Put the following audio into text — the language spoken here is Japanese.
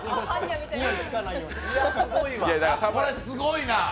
これすごいな。